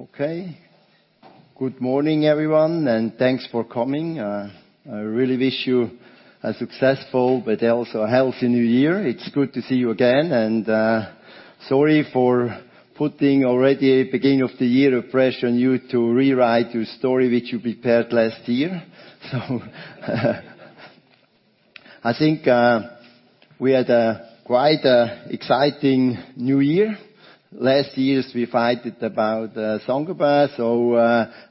Okay. Good morning, everyone, and thanks for coming. I really wish you a successful but also a healthy new year. It's good to see you again. Sorry for putting already beginning of the year a pressure on you to rewrite your story, which you prepared last year. I think we had a quite exciting new year. Last year, [we fought about Saint-Gobain].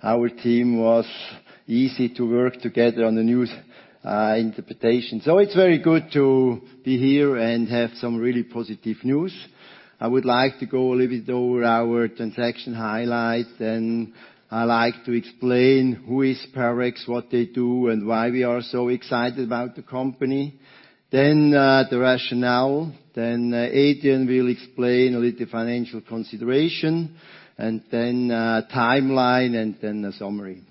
Our team was easy to work together on the news interpretation. It's very good to be here and have some really positive news. I would like to go a little bit over our transaction highlight. I like to explain who is Parex, what they do, and why we are so excited about the company. The rationale. Adrian will explain a little financial consideration, and then timeline, and then the summary.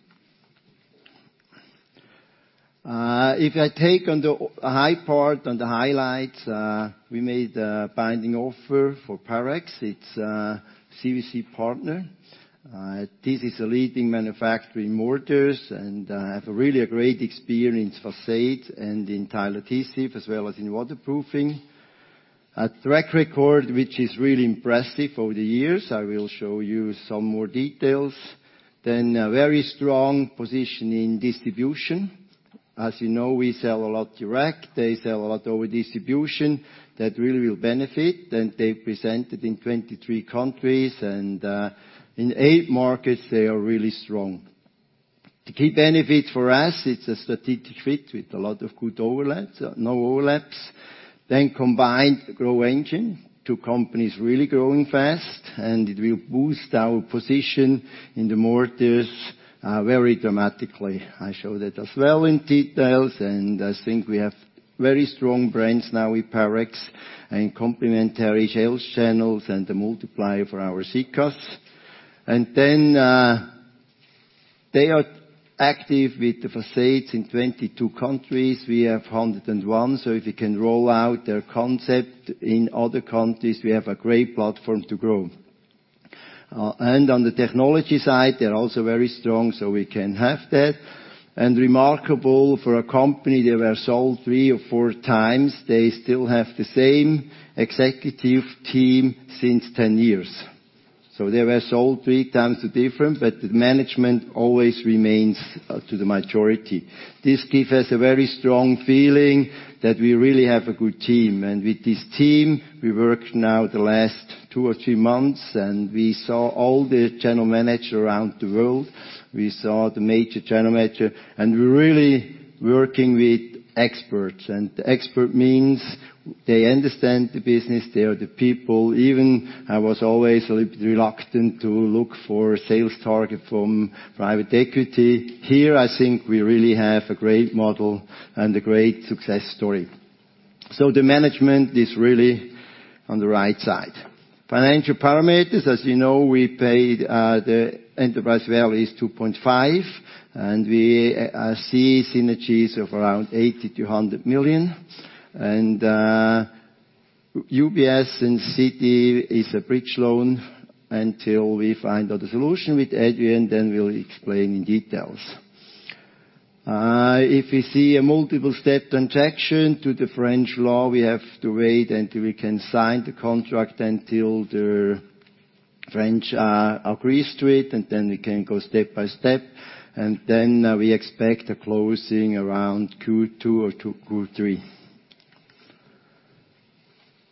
If I take on the high part, on the highlights, we made a binding offer for Parex. It's a CVC partner. This is a leading manufacturer in mortars and has really a great experience, facade and in tile adhesive, as well as in waterproofing. A track record, which is really impressive over the years. I will show you some more details. A very strong position in distribution. As you know, we sell a lot direct. They sell a lot over distribution. That really will benefit. They're presented in 23 countries. In eight markets, they are really strong. The key benefit for us, it's a strategic fit with a lot of good overlaps no overlaps. Combined growth engine. Two companies really growing fast, and it will boost our position in the mortars very dramatically. I show that as well in details. I think we have very strong brands now with Parex and complementary sales channels and the multiplier for our Sika's. They are active with the facades in 22 countries. We have 101. If we can roll out their concept in other countries, we have a great platform to grow. On the technology side, they're also very strong, so we can have that. Remarkable for a company, they were sold three or four times. They still have the same executive team since 10 years. They were sold three times to different, but the management always remains to the majority. This gives us a very strong feeling that we really have a good team. With this team, we worked now the last two or three months, and we saw all the general manager around the world. We saw the major general manager. We're really working with experts. Expert means they understand the business. They are the people. Even I was always a little bit reluctant to look for sales targets from private equity. Here, I think we really have a great model and a great success story. The management is really on the right side. Financial parameters. As you know, the enterprise value is 2.5, and we see synergies of around 80 million-100 million. UBS and Citi is a bridge loan until we find out a solution with Adrian. Adrian will explain in details. If we see a multiple step transaction to the French law, we have to wait until we can sign the contract, until the French agrees to it, and then we can go step by step. We expect a closing around Q2 or Q3.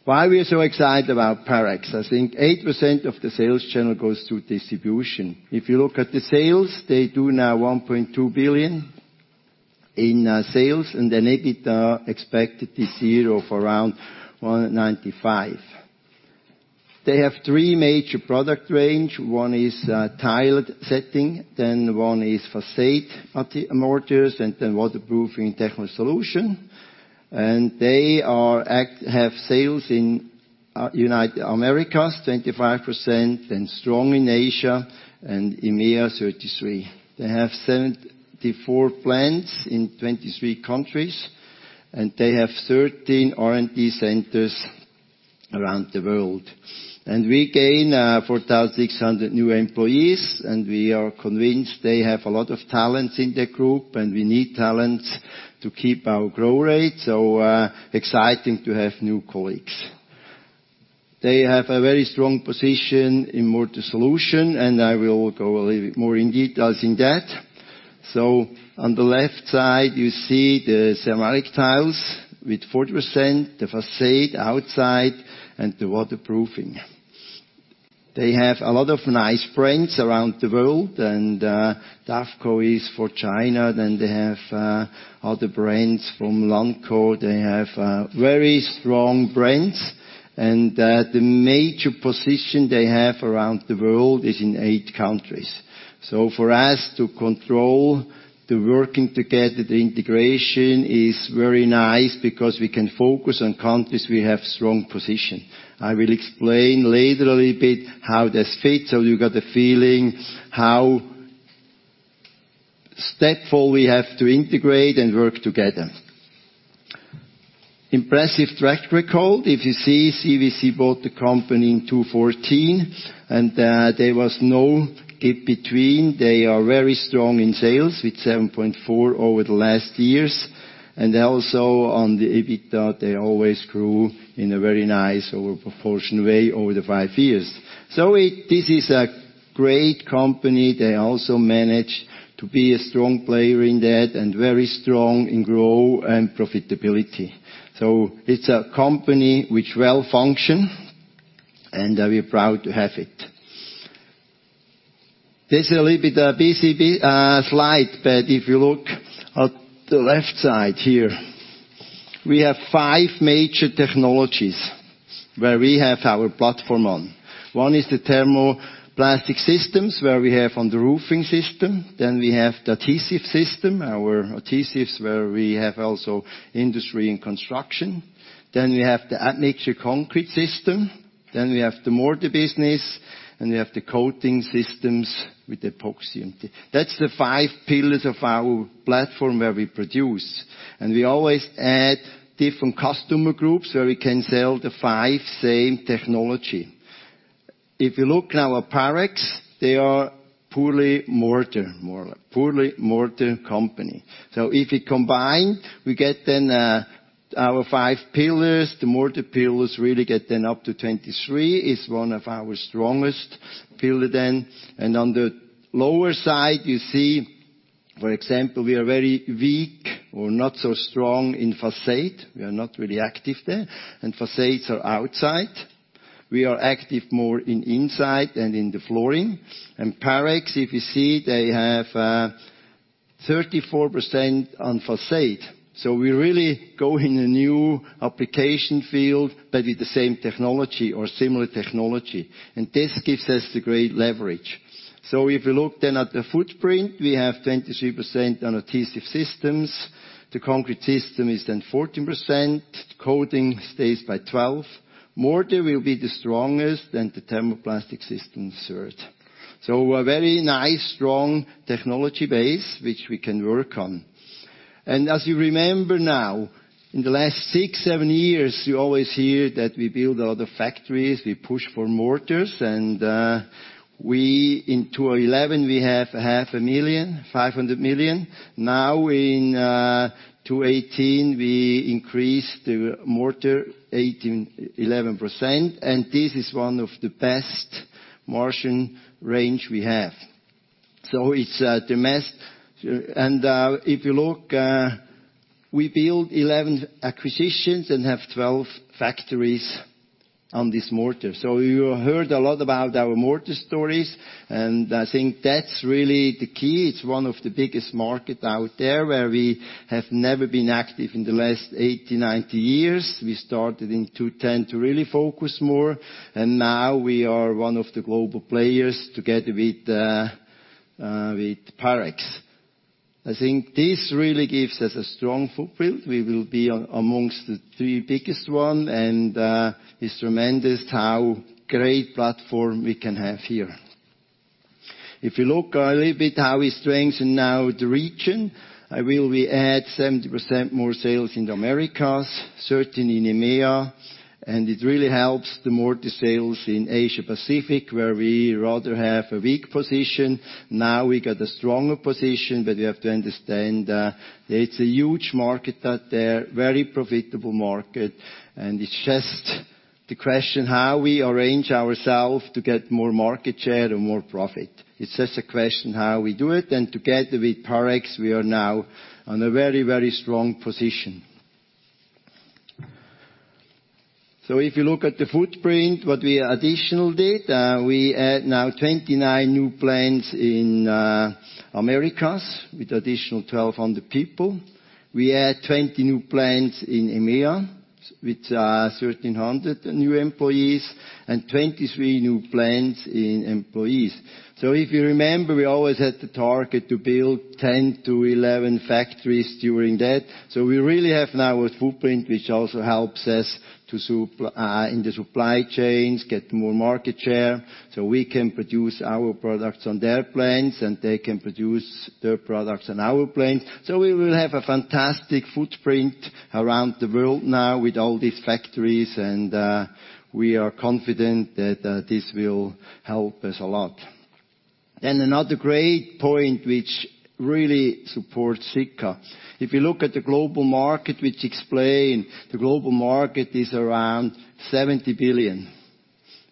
Why we are so excited about Parex? I think 8% of the sales channel goes through distribution. If you look at the sales, they do now 1.2 billion in sales, and the EBITDA expected this year of around 195. They have three major product range. One is tile setting, one is façade mortars, waterproofing solution. They have sales in Americas, 25%, and strong in Asia and EMEA, 33%. They have 74 plants in 23 countries, they have 13 R&D centers around the world. We gain 4,600 new employees, we are convinced they have a lot of talents in the group, we need talents to keep our growth rate. Exciting to have new colleagues. They have a very strong position in mortar solution, I will go a little bit more in details in that. On the left side, you see the ceramic tiles with 40%, the façade outside, the waterproofing. They have a lot of nice brands around the world, Davco is for China. They have other brands from Lanko. They have very strong brands. The major position they have around the world is in eight countries. For us to control the working together, the integration is very nice because we can focus on countries we have strong position. I will explain later a little bit how this fits, you got a feeling how step four, we have to integrate and work together. Impressive track record. If you see, CVC bought the company in 2014, there was no gap between. They are very strong in sales, with 7.4% over the last years. Also on the EBITDA, they always grew in a very nice over-proportion way over the five years. This is a great company. They also managed to be a strong player in that, very strong in growth and profitability. It's a company which well function, we are proud to have it. This is a little bit busy slide. If you look at the left side here, we have five major technologies where we have our platform on. One is the thermoplastic systems, where we have on the roofing system. We have the adhesive system, our adhesives, where we have also industry and construction. We have the admixture concrete system. We have the mortar business, we have the coating systems with epoxy. That's the five pillars of our platform where we produce. We always add different customer groups where we can sell the five same technology. If you look now at Parex, they are purely mortar company. If we combine, we get then our five pillars. The mortar pillars really get then up to 23%, is one of our strongest pillar then. On the lower side, you see, for example, we are very weak or not so strong in facade. We are not really active there. Facades are outside. We are active more in inside and in the flooring. Parex, if you see, they have 34% on facade. We really go in a new application field, but with the same technology or similar technology. This gives us the great leverage. If you look then at the footprint, we have 23% on adhesive systems. The concrete system is 14%. Coating stays by 12%. Mortar will be the strongest, then the thermoplastic system, third. A very nice, strong technology base which we can work on. As you remember now, in the last six, seven years, you always hear that we build a lot of factories, we push for mortars. In 2011, we have 500,000, 500 million. In 2018, we increased the mortar, 11%. This is one of the best margin range we have. It's tremendous. If you look, we built 11 acquisitions and have 12 factories on this mortar. You heard a lot about our mortar stories, I think that's really the key. It's one of the biggest market out there, where we have never been active in the last 80, 90 years. We started in 2010 to really focus more, and now we are one of the global players together with Parex. I think this really gives us a strong foothold. We will be amongst the three biggest one, it's tremendous how great platform we can have here. If you look a little bit how we strengthen now the region, we add 70% more sales in Americas, certainly in EMEA. It really helps the mortar sales in Asia Pacific, where we rather have a weak position. Now we got a stronger position, but we have to understand that it's a huge market out there, very profitable market, it's just the question how we arrange ourself to get more market share and more profit. It's just a question how we do it. Together with Parex, we are now on a very strong position. If you look at the footprint, what we additional did, we add now 29 new plants in Americas with additional 1,200 people. We add 20 new plants in EMEA with 1,300 new employees and 23 new plants in employees. If you remember, we always had the target to build 10-11 factories during that. We really have now a footprint which also helps us in the supply chains, get more market share. We can produce our products on their plants, and they can produce their products on our plants. We will have a fantastic footprint around the world now with all these factories, and we are confident that this will help us a lot. Another great point which really supports Sika. If you look at the global market, which explain the global market is around 70 billion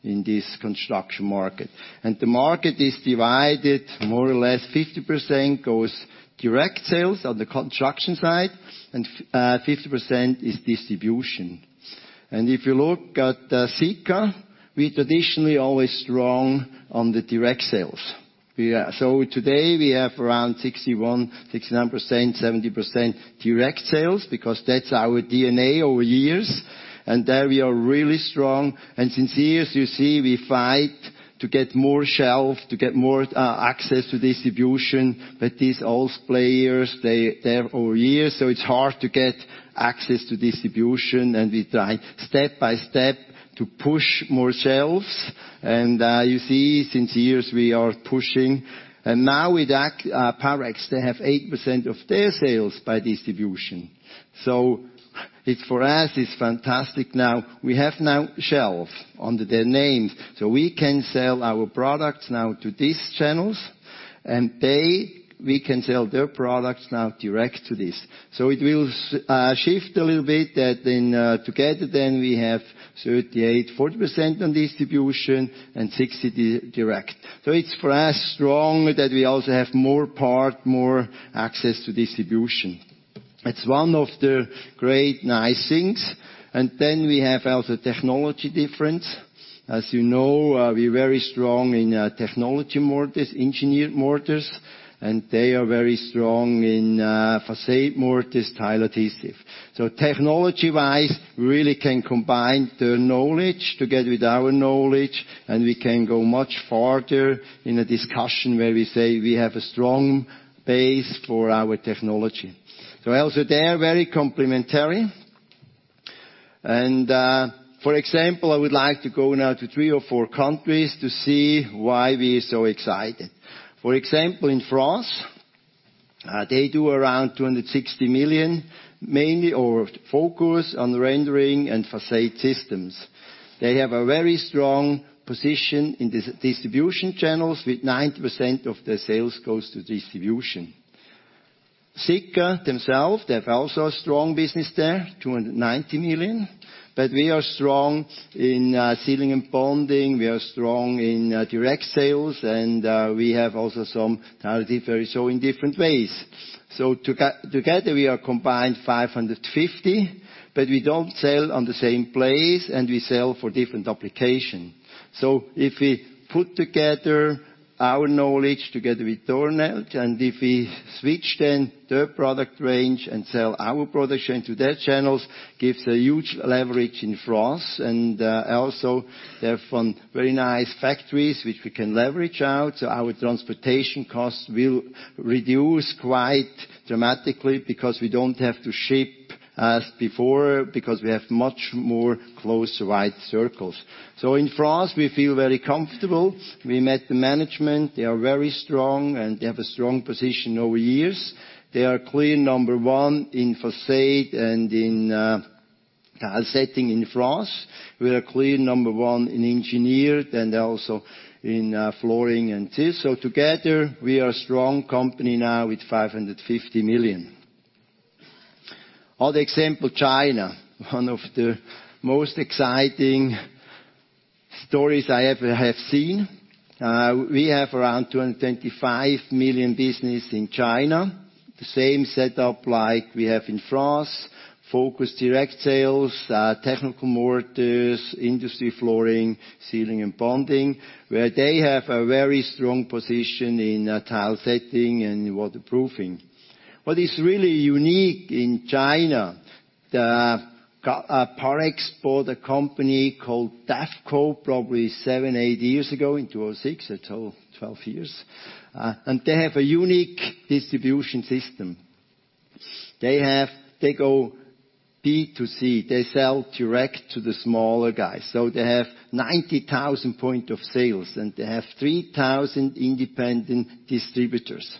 in this construction market. The market is divided, more or less 50% goes direct sales on the construction side, 50% is distribution. If you look at Sika, we traditionally always strong on the direct sales. Today, we have around 61%, 69%, 70% direct sales because that's our DNA over years. There we are really strong. Since years, you see we fight to get more shelf, to get more access to distribution. These old players, they're over years, it's hard to get access to distribution. We try step by step to push more shelves. You see, since years we are pushing. Now with Parex, they have 8% of their sales by distribution. For us, it's fantastic now. We have now shelf under their names. We can sell our products now to these channels, and we can sell their products now direct to this. It will shift a little bit that together then we have 38%-40% on distribution and 60 direct. It's for us strong that we also have more part, more access to distribution. It's one of the great nice things. We have also technology difference. As you know, we're very strong in technology mortars, engineered mortars, and they are very strong in facade mortars, tile adhesive. Technology-wise, we really can combine their knowledge together with our knowledge, and we can go much farther in a discussion where we say we have a strong base for our technology. Also they are very complementary. For example, I would like to go now to three or four countries to see why we are so excited. For example, in France, they do around 260 million, mainly focus on rendering and facade systems. They have a very strong position in distribution channels with 90% of their sales goes to distribution. Sika themselves, they have also a strong business there, 290 million. We are strong in sealing and bonding. We are strong in direct sales. We have also some territory, so in different ways. Together, we are combined 550 million, but we don't sell on the same place, and we sell for different application. If we put together our knowledge together with their knowledge, and if we switch then their product range and sell our production to their channels, gives a huge leverage in France. Also they have very nice factories which we can leverage out, our transportation costs will reduce quite dramatically because we don't have to ship as before, because we have much more close wide circles. In France, we feel very comfortable. We met the management. They are very strong, and they have a strong position over years. They are clear number one in facade and in tile setting in France. We are clear number one in engineered and also in flooring and this. Together, we are strong company now with 550 million. Other example, China, one of the most exciting stories I ever have seen. We have around 225 million business in China. The same setup like we have in France. Focus direct sales, technical mortars, industry flooring, sealing and bonding, where they have a very strong position in tile setting and waterproofing. What is really unique in China, Parex bought a company called Davco probably seven, eight years ago in 2006. That's all 12 years. They have a unique distribution system. They go B2C. They sell direct to the smaller guys. They have 90,000 point of sales, and they have 3,000 independent distributors.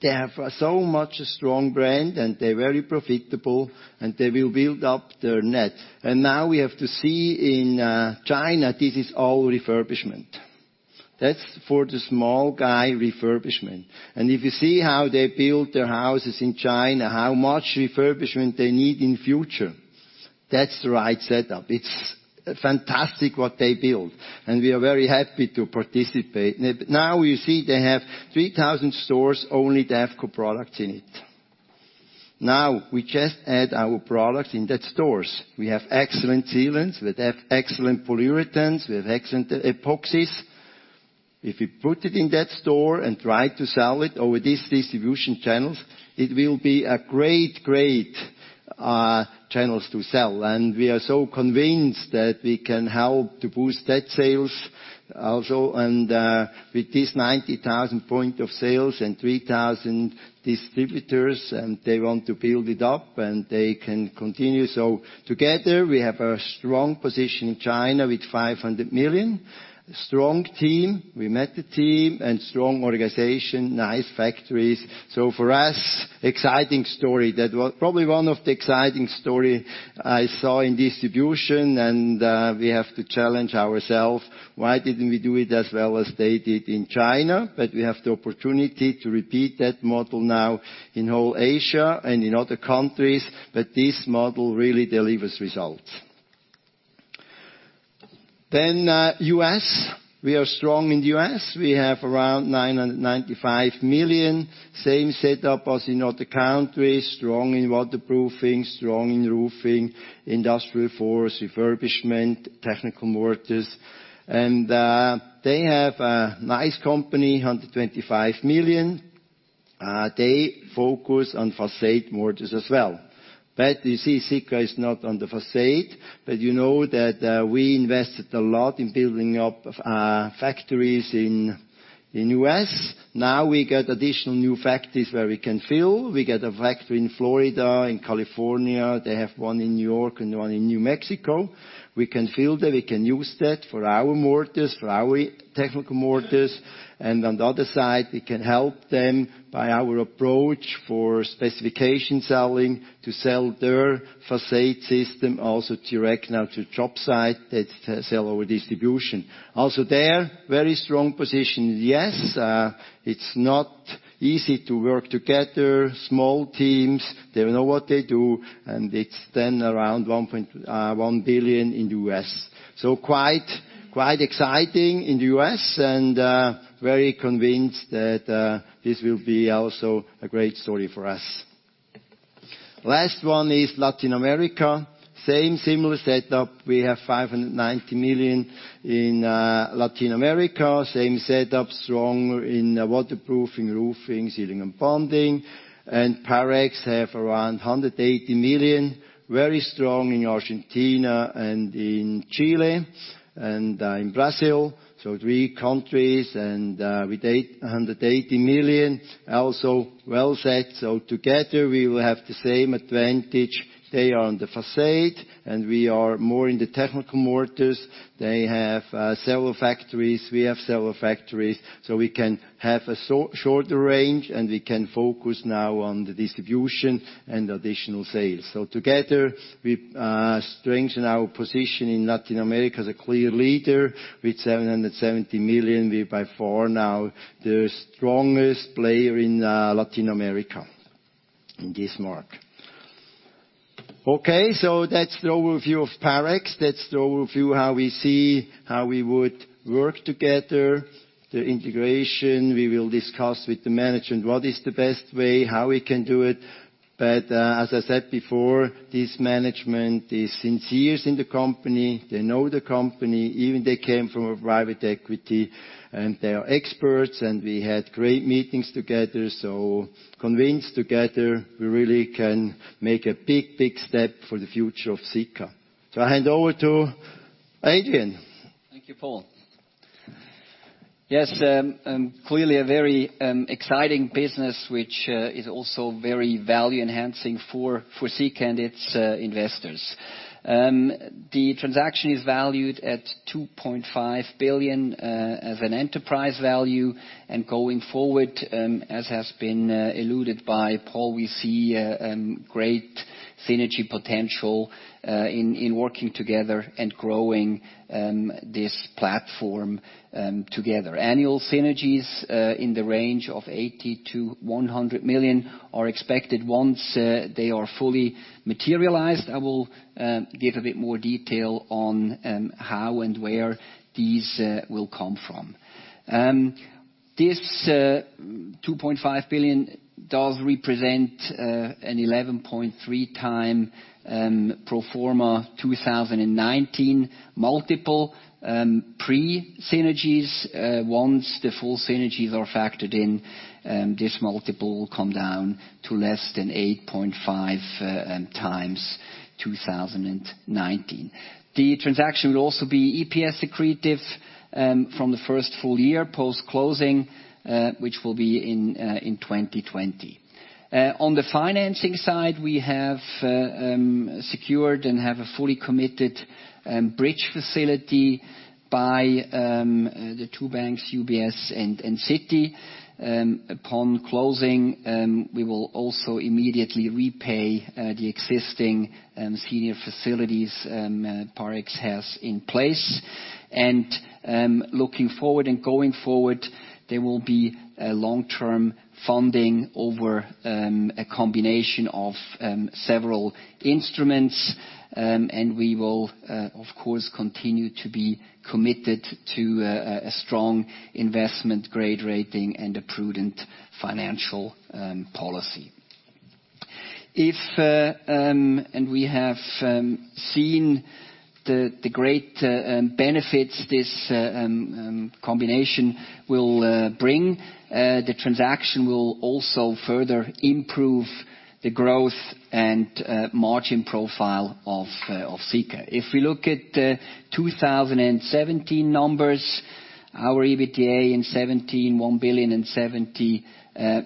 They have so much strong brand, and they're very profitable, and they will build up their net. We have to see in China, this is all refurbishment. That's for the small guy refurbishment. If you see how they build their houses in China, how much refurbishment they need in future, that's the right setup. It's fantastic what they build. We are very happy to participate. We see they have 3,000 stores, only Davco products in it. We just add our products in that stores. We have excellent sealants. We have excellent polyurethanes. We have excellent epoxies. If we put it in that store and try to sell it over this distribution channels, it will be a great channels to sell. We are so convinced that we can help to boost that sales also. With this 90,000 point of sales and 3,000 distributors, they want to build it up, and they can continue. Together, we have a strong position in China with 500 million. Strong team. We met the team and strong organization, nice factories. For us, exciting story. That was probably one of the exciting story I saw in distribution. We have to challenge ourselves, why didn't we do it as well as they did in China? We have the opportunity to repeat that model now in whole Asia and in other countries. This model really delivers results. U.S. We are strong in the U.S. We have around 995 million. Same setup as in other countries, strong in waterproofing, strong in roofing, industrial floors, refurbishment, technical mortars. They have a nice company, 125 million. They focus on facade mortars as well. You see, Sika is not on the facade, but you know that we invested a lot in building up factories in U.S. Now we get additional new factories where we can fill. We get a factory in Florida, in California, they have one in New York and one in New Mexico. We can fill that. We can use that for our mortars, for our technical mortars. On the other side, we can help them by our approach for specification selling to sell their facade system also direct now to job site that sell our distribution. Also there, very strong position. Yes, it's not easy to work together. Small teams, they know what they do, it's then around 1 billion in the U.S. Quite exciting in the U.S., and very convinced that this will be also a great story for us. Last one is Latin America. Same similar setup. We have 590 million in Latin America. Same setup, strong in waterproofing, roofing, sealing and bonding. Parex have around 180 million, very strong in Argentina and in Chile and in Brazil. Three countries, and with 180 million, also well set. Together we will have the same advantage. They are on the facade and we are more in the technical mortars. They have several factories. We have several factories. We can have a shorter range and we can focus now on the distribution and additional sales. Together, we strengthen our position in Latin America as a clear leader with 770 million. We're by far now the strongest player in Latin America in this market. Okay, that's the overview of Parex. That's the overview how we see how we would work together. The integration we will discuss with the management, what is the best way, how we can do it. As I said before, this management is sincere in the company. They know the company, even they came from a private equity and they are experts and we had great meetings together. Convinced together we really can make a big step for the future of Sika. I hand over to Adrian. Thank you, Paul. Yes, clearly a very exciting business, which is also very value enhancing for Sika and its investors. The transaction is valued at 2.5 billion, as an enterprise value. Going forward, as has been alluded by Paul, we see great synergy potential in working together and growing this platform together. Annual synergies, in the range of 80 million-100 million are expected once they are fully materialized. I will give a bit more detail on how and where these will come from. This 2.5 billion does represent an 11.3x pro forma 2019 multiple pre-synergies. Once the full synergies are factored in, this multiple will come down to less than 8.5x 2019. The transaction will also be EPS accretive from the first full year post-closing, which will be in 2020. On the financing side, we have secured and have a fully committed bridge facility by the two banks, UBS and Citi. Upon closing, we will also immediately repay the existing senior facilities Parex has in place. Looking forward and going forward, there will be a long-term funding over a combination of several instruments. We will, of course, continue to be committed to a strong investment grade rating and a prudent financial policy. We have seen the great benefits this combination will bring. The transaction will also further improve the growth and margin profile of Sika. If we look at 2017 numbers, our EBITDA in 2017, [1.07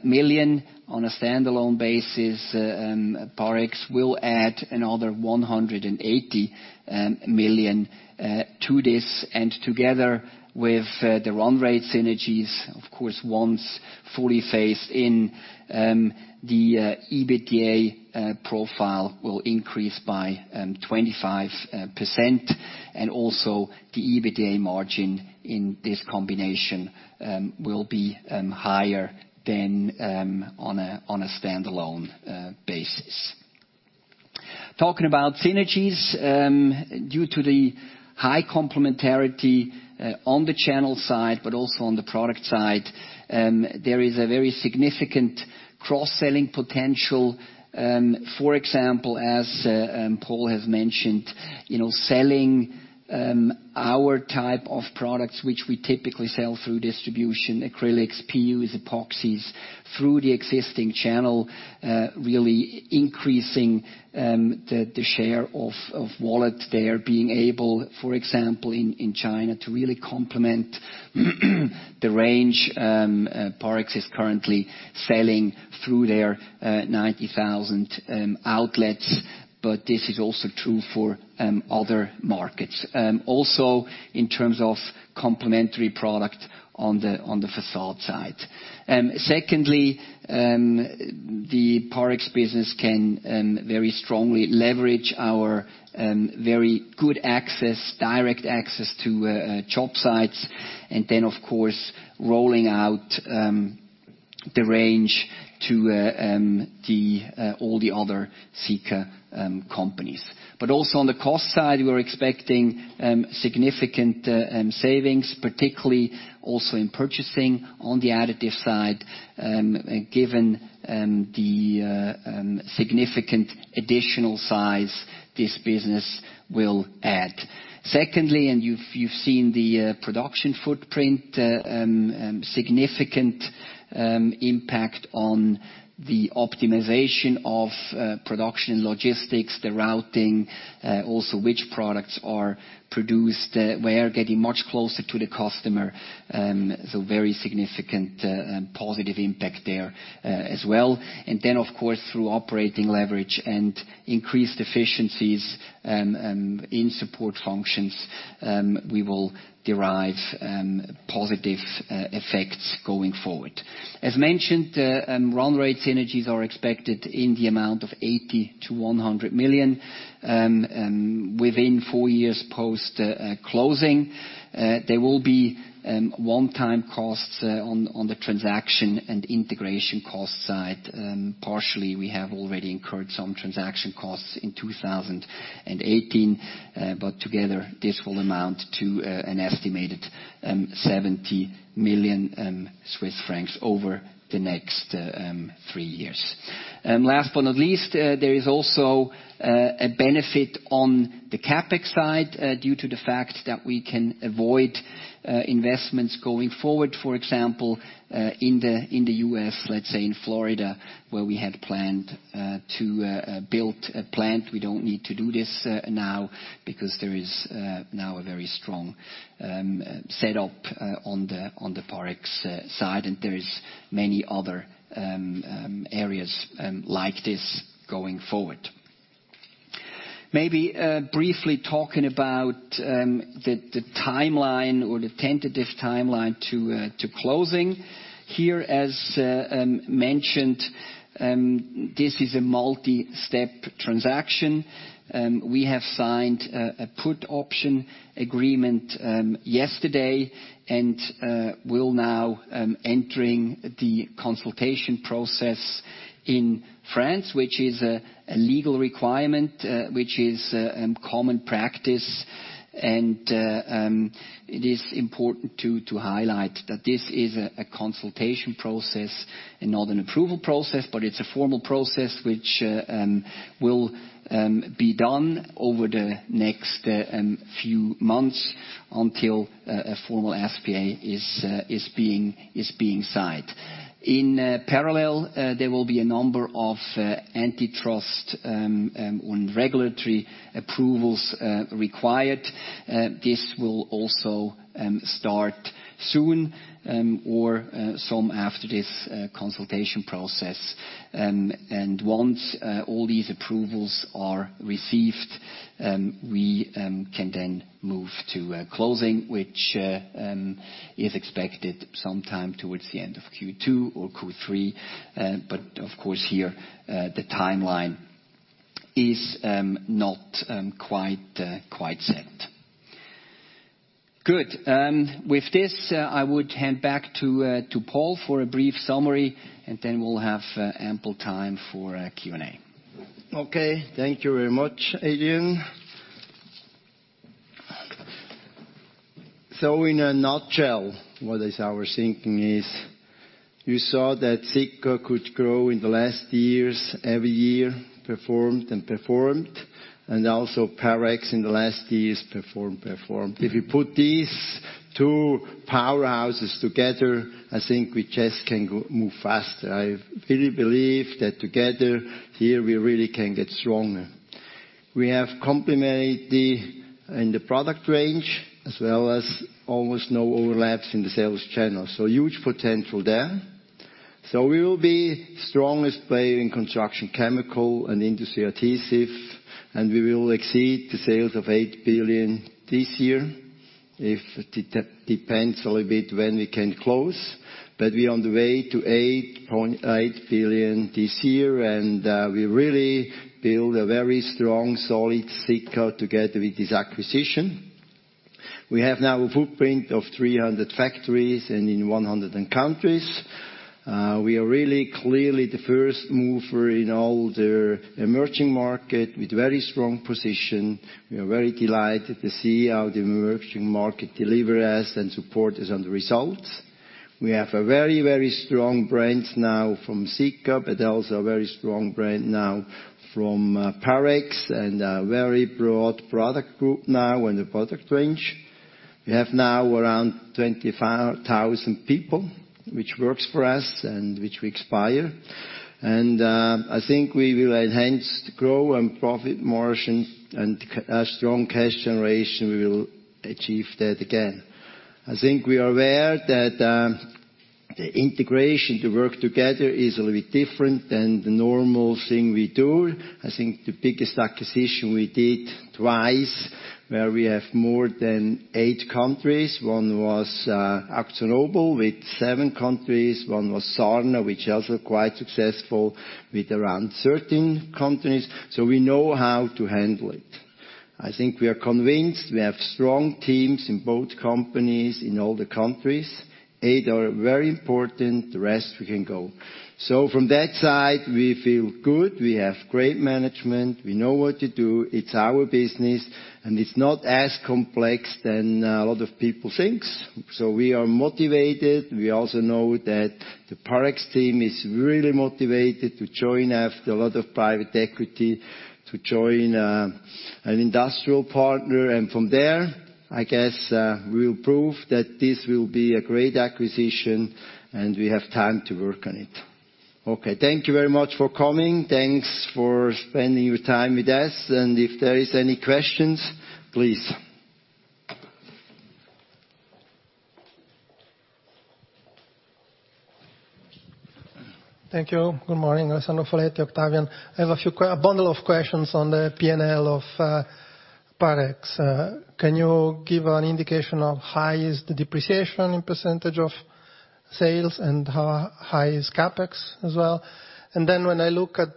billion] on a standalone basis. Parex will add another 180 million to this. Together with the run rate synergies, of course, once fully phased in, the EBITDA profile will increase by 25%. Also the EBITDA margin in this combination will be higher than on a standalone basis. Talking about synergies, due to the high complementarity on the channel side but also on the product side, there is a very significant cross-selling potential, for example, as Paul has mentioned, selling our type of products, which we typically sell through distribution acrylics, PUs, epoxies, through the existing channel, really increasing the share of wallet there. Being able, for example, in China to really complement the range Parex is currently selling through their 90,000 outlets, but this is also true for other markets. Also in terms of complementary product on the facade side. Secondly, the Parex business can very strongly leverage our very good access, direct access to job sites. Then, of course, rolling out the range to all the other Sika companies. Also on the cost side, we are expecting significant savings, particularly also in purchasing on the additive side, given the significant additional size this business will add. Secondly, you've seen the production footprint, significant impact on the optimization of production logistics, the routing, also which products are produced where, getting much closer to the customer. Very significant positive impact there as well. Then, of course, through operating leverage and increased efficiencies in support functions, we will derive positive effects going forward. As mentioned, run rate synergies are expected in the amount of 80 million-100 million within four years post-closing. There will be one-time costs on the transaction and integration cost side. Partially, we have already incurred some transaction costs in 2018. Together, this will amount to an estimated 70 million Swiss francs over the next three years. Last but not least, there is also a benefit on the CapEx side due to the fact that we can avoid investments going forward. For example, in the U.S., let's say in Florida, where we had planned to build a plant. We don't need to do this now because there is now a very strong setup on the Parex side, and there is many other areas like this going forward. Maybe briefly talking about the timeline or the tentative timeline to closing. Here, as mentioned, this is a multi-step transaction. We have signed a put option agreement yesterday and will now entering the consultation process in France, which is a legal requirement, which is common practice. It is important to highlight that this is a consultation process and not an approval process. It's a formal process, which will be done over the next few months until a formal SPA is being signed. In parallel, there will be a number of antitrust and regulatory approvals required. This will also start soon or some after this consultation process. Once all these approvals are received, we can then move to closing, which is expected sometime towards the end of Q2 or Q3. Of course here, the timeline is not quite set. Good. With this, I would hand back to Paul for a brief summary, and then we'll have ample time for Q&A. Okay, thank you very much, Adrian. In a nutshell, what is our thinking is you saw that Sika could grow in the last years, every year, performed and performed, and also Parex in the last years performed. If you put these two powerhouses together, I think we just can move faster. I really believe that together here we really can get stronger. We have complementary in the product range as well as almost no overlaps in the sales channel. Huge potential there. We will be strongest player in construction chemical and industry adhesive, and we will exceed the sales of 8 billion this year. It depends a little bit when we can close, but we are on the way to 8.8 billion this year. We really build a very strong, solid Sika together with this acquisition. We have now a footprint of 300 factories and in 100 countries. We are really clearly the first mover in all the emerging market with very strong position. We are very delighted to see how the emerging market deliver us and support us on the results. We have a very strong brands now from Sika, but also a very strong brand now from Parex, and a very broad product group now in the product range. We have now around 25,000 people which works for us and which we inspire. I think we will enhance the growth and profit margin and a strong cash generation, we will achieve that again. I think we are aware that the integration to work together is a little bit different than the normal thing we do. I think the biggest acquisition we did twice, where we have more than eight countries. One was AkzoNobel with seven countries, one was Sarnafil, which also quite successful with around 13 countries. We know how to handle it. I think we are convinced we have strong teams in both companies, in all the countries. Eight are very important, the rest we can go. From that side, we feel good. We have great management. We know what to do. It's our business, and it's not as complex than a lot of people think. We are motivated. We also know that the Parex team is really motivated to join after a lot of private equity to join an industrial partner. From there, I guess, we will prove that this will be a great acquisition, and we have time to work on it. Okay, thank you very much for coming. Thanks for spending your time with us. If there is any questions, please. Thank you. Good morning. Alessandro Foletti. I have a bundle of questions on the P&L of Parex. Can you give an indication of how high is the depreciation in percentage of sales and how high is CapEx as well? When I look at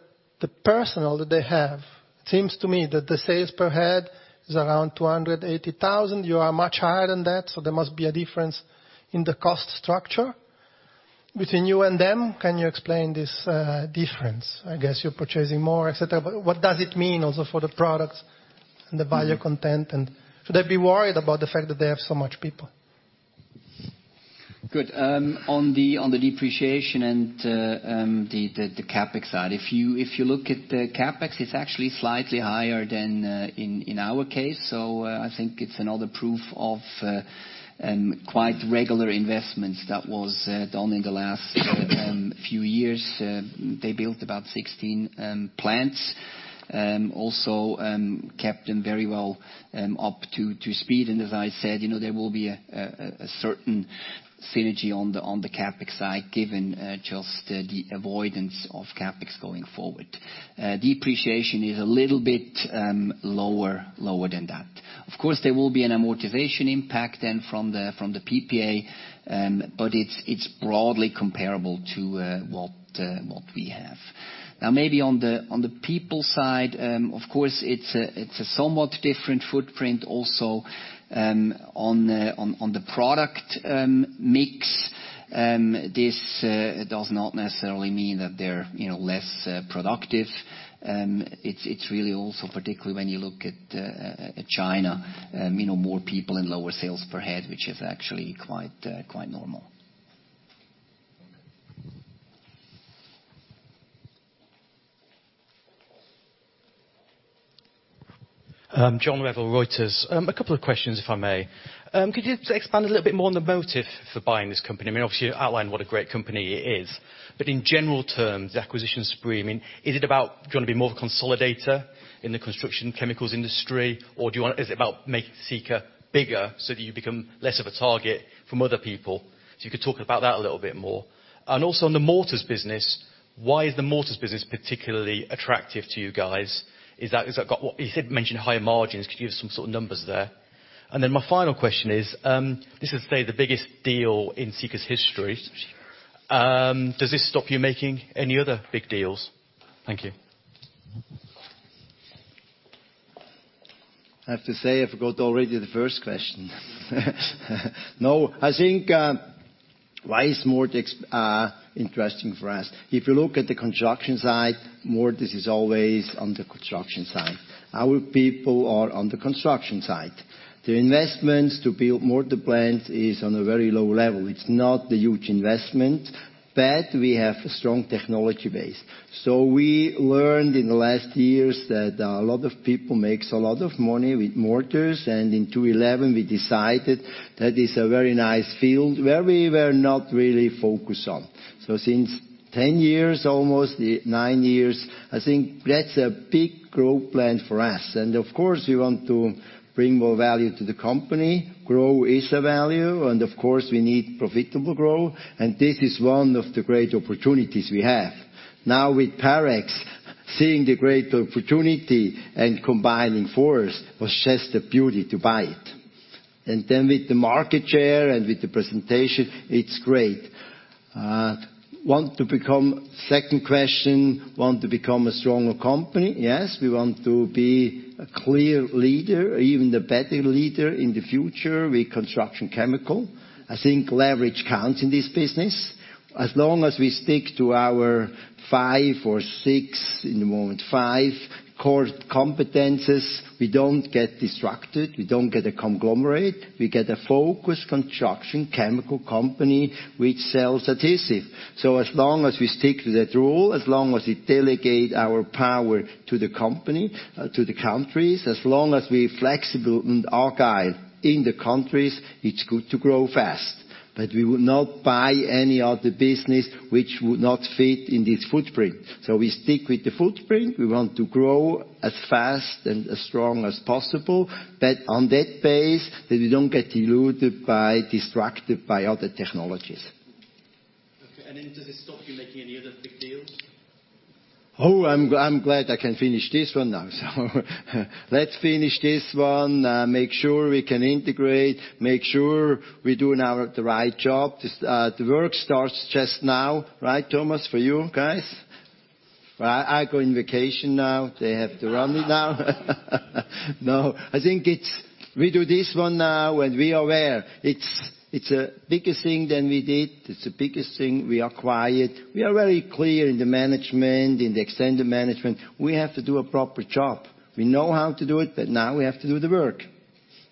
the personnel that they have, it seems to me that the sales per head is around 280,000. You are much higher than that, so there must be a difference in the cost structure between you and them. Can you explain this difference? I guess you're purchasing more, et cetera, but what does it mean also for the products and the value content? Should I be worried about the fact that they have so much people? Good. On the depreciation and the CapEx side. If you look at the CapEx, it's actually slightly higher than in our case. I think it's another proof of quite regular investments that was done in the last few years. They built about 16 plants and also kept them very well up to speed. As I said, there will be a certain synergy on the CapEx side, given just the avoidance of CapEx going forward. Depreciation is a little bit lower than that. Of course, there will be an amortization impact then from the PPA, but it's broadly comparable to what we have. Maybe on the people side, of course, it's a somewhat different footprint also on the product mix. This does not necessarily mean that they're less productive. It's really also particularly when you look at China, more people and lower sales per head, which is actually quite normal. John Revill, Reuters. A couple of questions, if I may. Could you expand a little bit more on the motive for buying this company? Obviously, you outlined what a great company it is. In general terms, the acquisition is booming. Is it about going to be more of a consolidator in the construction chemicals industry, or is it about making Sika bigger so that you become less of a target from other people? You could talk about that a little bit more. Also on the mortars business, why is the mortars business particularly attractive to you guys? You did mention higher margins. Could you give some sort of numbers there? My final question is, this is, say, the biggest deal in Sika's history. Does this stop you making any other big deals? Thank you. I have to say, I forgot already the first question. I think, why is mortars interesting for us? If you look at the construction side, mortars is always on the construction side. Our people are on the construction side. The investments to build mortar plant is on a very low level. It's not a huge investment, but we have a strong technology base. We learned in the last years that a lot of people makes a lot of money with mortars, and in 2011, we decided that it's a very nice field where we were not really focused on. Since 10 years, almost nine years, I think that's a big growth plan for us. Of course, we want to bring more value to the company. Growth is a value, and of course, we need profitable growth, and this is one of the great opportunities we have. Now with Parex, seeing the great opportunity and combining force was just a beauty to buy it. With the market share and with the presentation, it's great. Second question, want to become a stronger company? Yes, we want to be a clear leader or even a better leader in the future with construction chemicals. I think leverage counts in this business. As long as we stick to our five or six, in the moment, five core competencies, we don't get distracted, we don't get a conglomerate. We get a focused construction chemicals company which sells adhesives. As long as we stick to that rule, as long as we delegate our power to the countries, as long as we flexible and agile in the countries, it's good to grow fast. We would not buy any other business which would not fit in this footprint. We stick with the footprint. We want to grow as fast and as strong as possible. On that base, that we don't get deluded by, distracted by other technologies. Okay. Does this stop you making any other big deals? I'm glad I can finish this one now. Let's finish this one, make sure we can integrate, make sure we're doing the right job. The work starts just now. Right, Thomas, for you guys? I go on vacation now. They have to run it now. I think we do this one now, and we are aware it's a bigger thing than we did. It's the biggest thing we acquired. We are very clear in the management, in the extended management. We have to do a proper job. We know how to do it, but now we have to do the work.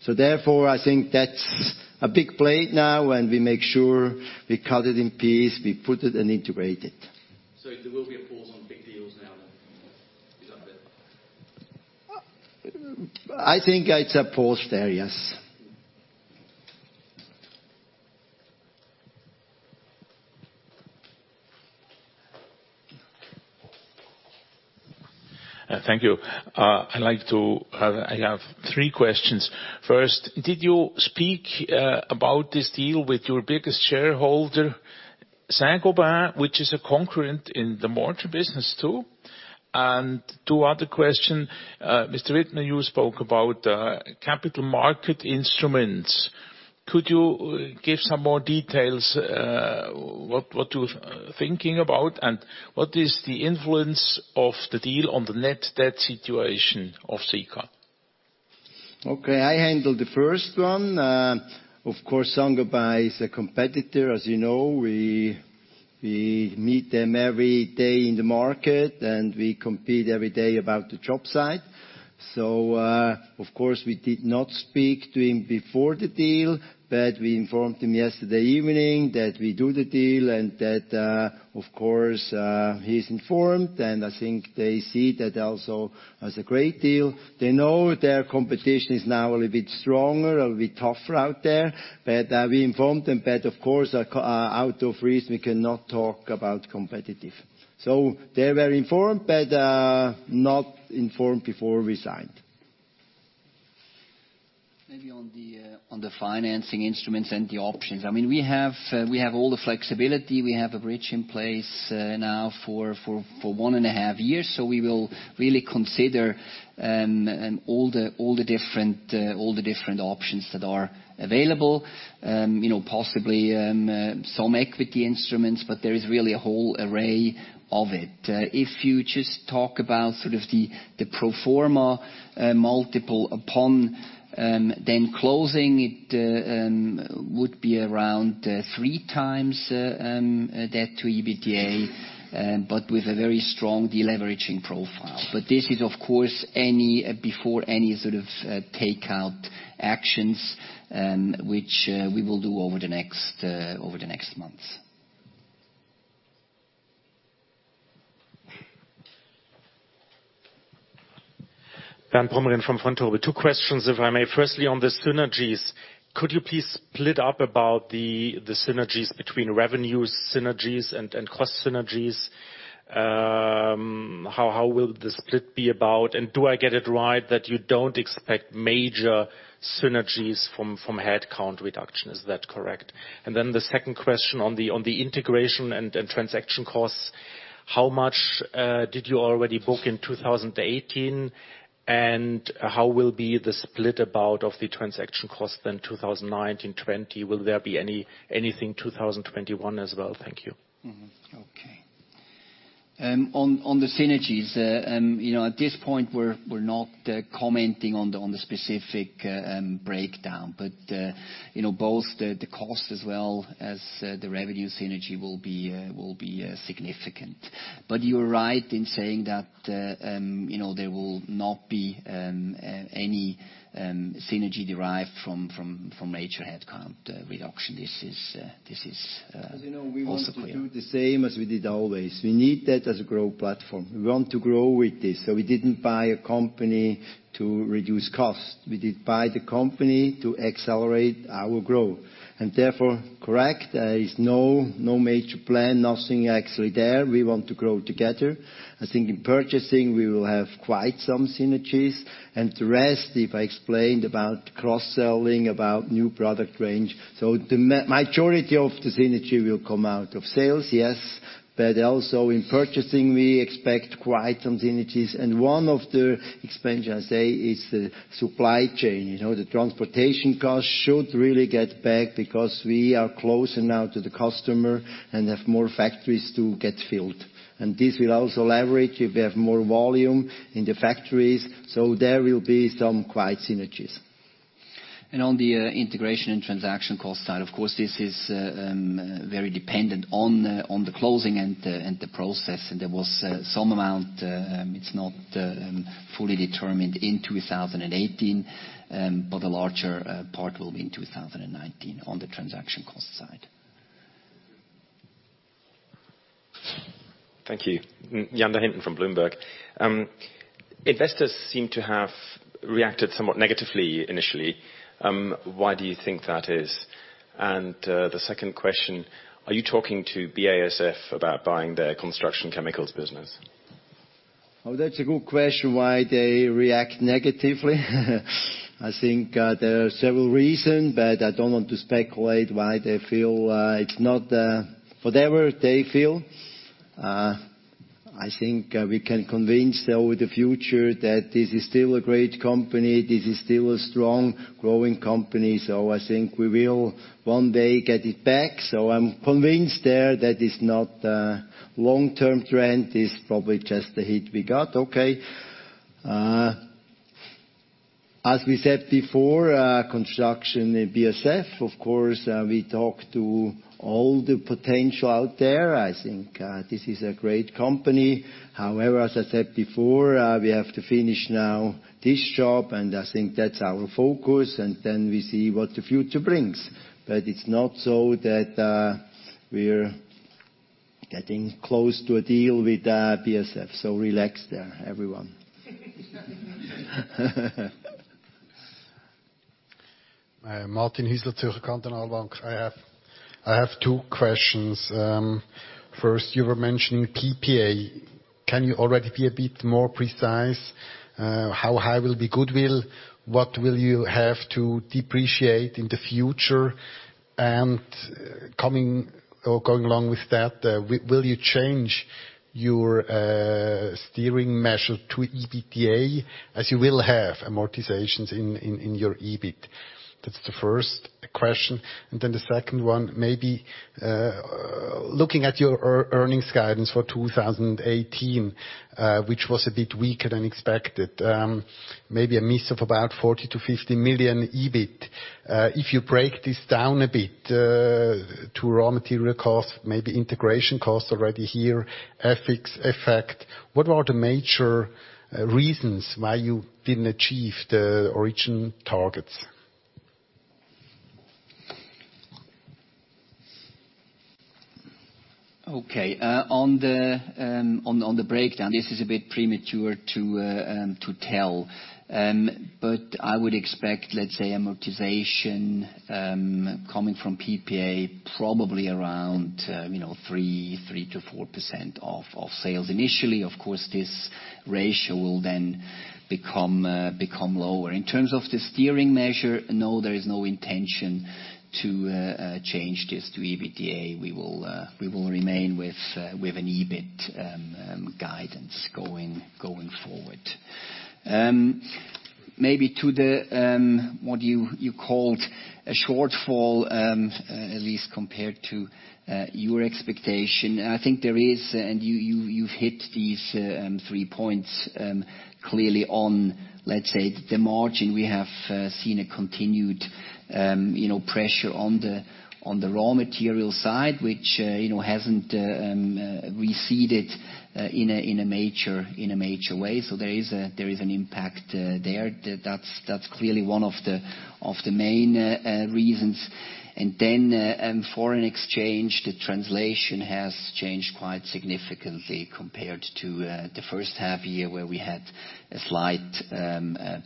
Therefore, I think that's a big plate now, and we make sure we cut it in piece, we put it and integrate it. There will be a pause on big deals now then. Is that fair? I think it's a pause there, yes. Thank you. I have three questions. First, did you speak about this deal with your biggest shareholder, Saint-Gobain, which is a concurrent in the mortar business, too? Two other question. Adrian, you spoke about capital market instruments. Could you give some more details what you're thinking about, and what is the influence of the deal on the net debt situation of Sika? I handle the first one. Of course, Saint-Gobain is a competitor. As you know, we meet them every day in the market, and we compete every day about the job site. Of course, we did not speak to him before the deal, but we informed him yesterday evening that we do the deal and that, of course, he's informed. I think they see that also as a great deal. They know their competition is now a little bit stronger, a little bit tougher out there. We informed them. Of course, out of reason, we cannot talk about competitive. They're very informed, but not informed before we signed. Maybe on the financing instruments and the options. We have all the flexibility. We have a bridge in place now for one and a half years. We will really consider all the different options that are available. Possibly some equity instruments, but there is really a whole array of it. If you just talk about sort of the pro forma multiple upon then closing, it would be around three times debt to EBITDA, but with a very strong deleveraging profile. This is, of course, before any sort of takeout actions, which we will do over the next months. Bernd Pomrehn from Vontobel. Two questions, if I may. Firstly, on the synergies, could you please split up about the synergies between revenues synergies and cost synergies? How will the split be about, and do I get it right that you don't expect major synergies from headcount reduction? Is that correct? The second question on the integration and transaction costs, how much did you already book in 2018, and how will be the split about of the transaction cost in 2019/20? Will there be anything 2021 as well? Thank you. Okay. On the synergies. At this point, we're not commenting on the specific breakdown. Both the cost as well as the revenue synergy will be significant. You are right in saying that there will not be any synergy derived from major headcount reduction. This is also clear. As you know, we want to do the same as we did always. We need that as a growth platform. We want to grow with this. We didn't buy a company to reduce cost. We did buy the company to accelerate our growth. Therefore, correct. There is no major plan, nothing actually there. We want to grow together. I think in purchasing, we will have quite some synergies. The rest, if I explained about cross-selling, about new product range. The majority of the synergy will come out of sales, yes. Also in purchasing, we expect quite some synergies. One of the expansion, I say, is the supply chain. The transportation cost should really get back because we are closer now to the customer and have more factories to get filled. This will also leverage if we have more volume in the factories. There will be some quite synergies. On the integration and transaction cost side, of course, this is very dependent on the closing and the process. There was some amount, it's not fully determined in 2018. The larger part will be in 2019 on the transaction cost side. Thank you. [Jan Degen] from Bloomberg. Investors seem to have reacted somewhat negatively initially. Why do you think that is? The second question, are you talking to BASF about buying their construction chemicals business? That's a good question, why they react negatively. I think there are several reasons, but I don't want to speculate why they feel. Whatever they feel, I think we can convince over the future that this is still a great company. This is still a strong, growing company. I think we will one day get it back. I'm convinced there that it's not a long-term trend. It's probably just a hit we got. As we said before, construction, BASF, of course, we talk to all the potential out there. I think this is a great company. However, as I said before, we have to finish now this job, and I think that's our focus, and then we see what the future brings. It's not so that we're getting close to a deal with BASF. Relax there, everyone. Martin Huesler, Zürcher Kantonalbank. I have two questions. First, you were mentioning PPA. Can you already be a bit more precise? How high will be goodwill? What will you have to depreciate in the future? Going along with that, will you change your steering measure to EBITDA, as you will have amortizations in your EBIT? That's the first question. The second one, maybe looking at your earnings guidance for 2018, which was a bit weaker than expected. Maybe a miss of about 40 million-50 million EBIT. If you break this down a bit to raw material cost, maybe integration cost already here, FX effect. What are the major reasons why you didn't achieve the original targets? On the breakdown, this is a bit premature to tell. I would expect, let's say, amortization coming from PPA probably around 3%-4% of sales initially. Of course, this ratio will then become lower. In terms of the steering measure, no, there is no intention to change this to EBITDA. We will remain with an EBIT guidance going forward. Maybe to what you called a shortfall, at least compared to your expectation. I think there is, and you've hit these three points clearly on, let's say, the margin. We have seen a continued pressure on the raw material side, which hasn't receded in a major way. There is an impact there. That's clearly one of the main reasons. Foreign exchange. The translation has changed quite significantly compared to the first half-year, where we had a slight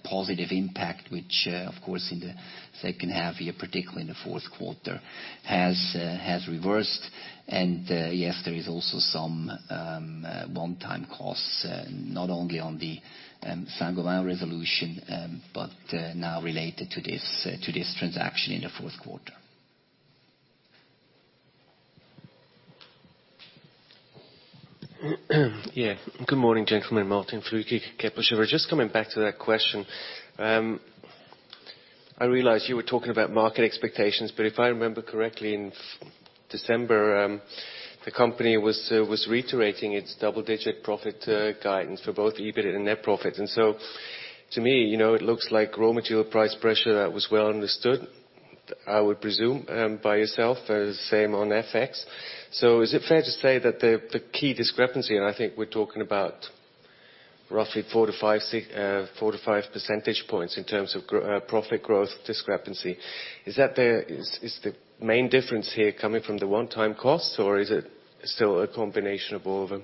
positive impact, which, of course, in the second half-year, particularly in the fourth quarter, has reversed. Yes, there is also some one-time costs, not only on the Saint-Gobain resolution, but now related to this transaction in the fourth quarter. Good morning, gentlemen. Martin Flueckiger, Kepler Cheuvreux. Just coming back to that question. I realize you were talking about market expectations, but if I remember correctly, in December, the company was reiterating its double-digit profit guidance for both EBIT and net profits. To me, it looks like raw material price pressure that was well understood. I would presume by yourself, the same on FX. Is it fair to say that the key discrepancy, and I think we're talking about roughly 4-5 percentage points in terms of profit growth discrepancy. Is the main difference here coming from the one-time costs, or is it still a combination of all of them?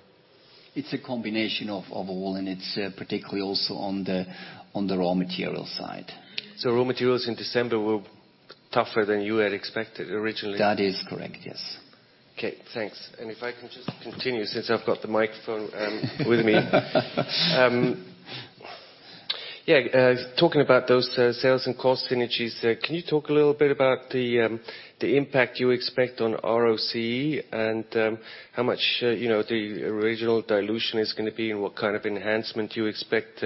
It's a combination of all, it's particularly also on the raw material side. Raw materials in December were tougher than you had expected originally? That is correct, yes. Okay, thanks. If I can just continue, since I've got the microphone with me. Talking about those sales and cost synergies, can you talk a little bit about the impact you expect on ROCE and how much the original dilution is going to be, and what kind of enhancement you expect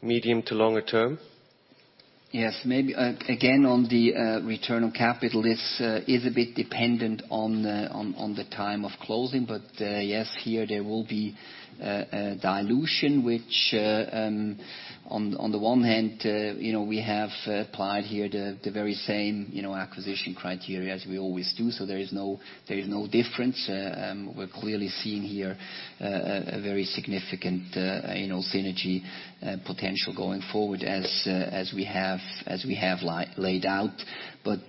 medium to longer term? Yes. Maybe again, on the return on capital, is a bit dependent on the time of closing. Yes, here there will be a dilution, which on the one hand, we have applied here the very same acquisition criteria as we always do. There is no difference. We are clearly seeing here a very significant synergy potential going forward as we have laid out.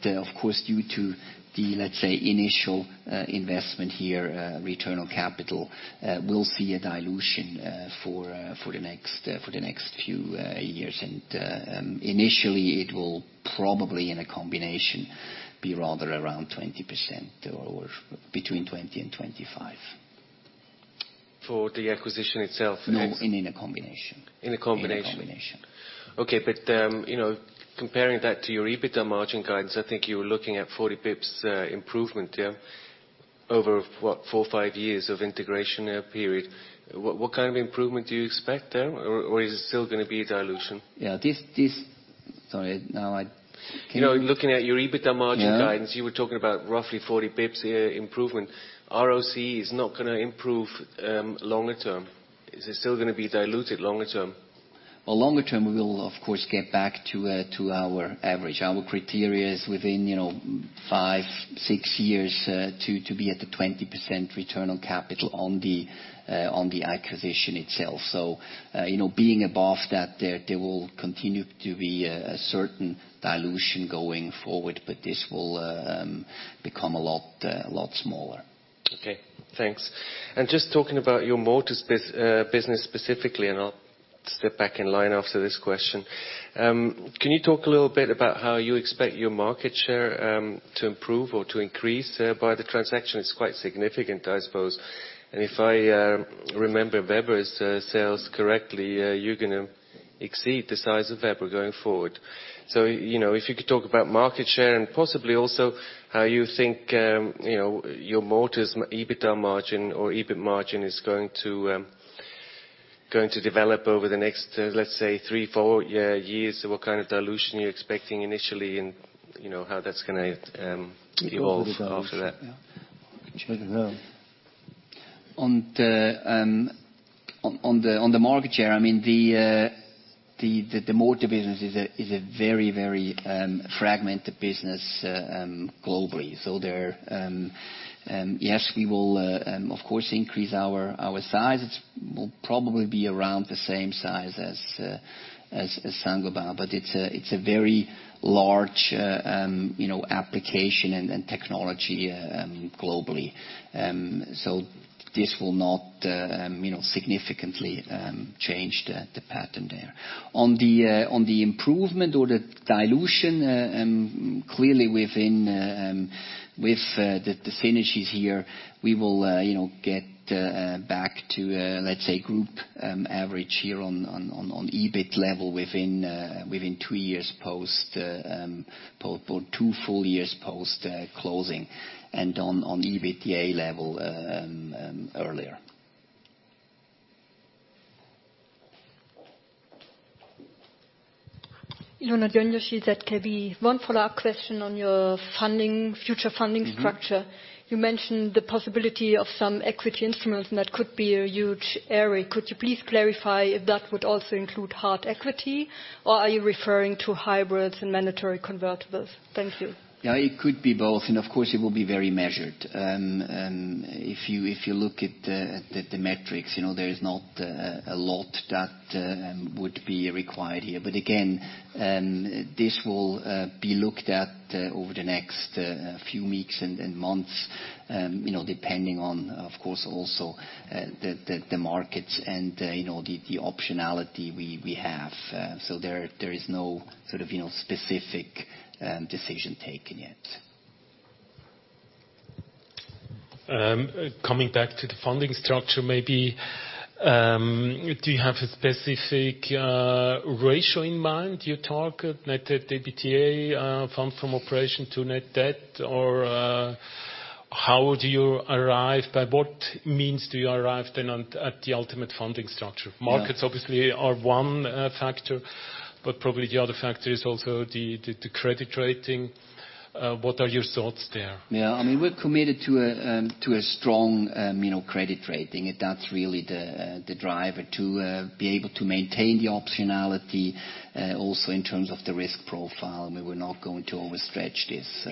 Of course, due to the, let's say, initial investment here, return on capital, we will see a dilution for the next few years. Initially, it will probably, in a combination, be rather around 20% or between 20% and 25%. For the acquisition itself? No, in a combination. In a combination. In a combination. Okay. Comparing that to your EBITDA margin guidance, I think you were looking at 40 basis points improvement, yeah? Over what? Four or five years of integration period. What kind of improvement do you expect there? Or is it still going to be a dilution? Yeah. Sorry. Looking at your EBITDA margin guidance- Yeah you were talking about roughly 40 basis points improvement. ROC is not going to improve longer term. Is it still going to be diluted longer term? Well, longer term, we will of course, get back to our average. Our criteria is within five, six years to be at the 20% Return on Capital on the acquisition itself. Being above that, there will continue to be a certain dilution going forward, but this will become a lot smaller. Okay, thanks. Just talking about your mortars business specifically, I will step back in line after this question. Can you talk a little bit about how you expect your market share to improve or to increase by the transaction? It is quite significant, I suppose. If I remember Weber's sales correctly, you are going to exceed the size of Weber going forward. If you could talk about market share and possibly also how you think your mortars EBITDA margin or EBIT margin is going to develop over the next, let's say, three, four years. What kind of dilution you are expecting initially and how that is going to evolve after that. On the market share, the mortar business is a very fragmented business globally. There, yes, we will, of course, increase our size. It will probably be around the same size as Saint-Gobain, but it is a very large application and technology globally. This will not significantly change the pattern there. On the improvement or the dilution, clearly with the synergies here, we will get back to, let's say, group average here on EBIT level within two years post, or two full years post-closing, and on EBITDA level earlier. [Ilona Joensuu at Kedi]. One follow-up question on your future funding structure. You mentioned the possibility of some equity instruments, that could be a huge area. Could you please clarify if that would also include hard equity, or are you referring to hybrids and mandatory convertibles? Thank you. Yeah, it could be both. Of course, it will be very measured. If you look at the metrics, there is not a lot that would be required here. Again, this will be looked at over the next few weeks and months, depending on, of course, also the markets and the optionality we have. There is no specific decision taken yet. Coming back to the funding structure maybe, do you have a specific ratio in mind you target? Net debt to EBITDA, fund from operation to net debt, or how do you arrive, by what means do you arrive then at the ultimate funding structure? Markets obviously are one factor, but probably the other factor is also the credit rating. What are your thoughts there? Yeah, we're committed to a strong credit rating, and that's really the driver to be able to maintain the optionality. Also, in terms of the risk profile, we were not going to overstretch this.